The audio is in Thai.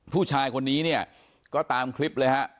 ผู้ชายคนนี้เนี่ยก็ตามคลิปเลยฮะ